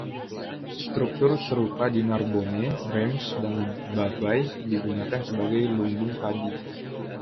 Struktur serupa di Narbonne, Reims, dan Bavay digunakan sebagai lumbung padi.